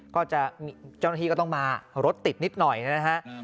เจ้าหน้าที่ก็ต้องมารถติดนิดหน่อยนะฮะ